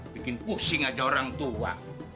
bikin pusing aja orang tua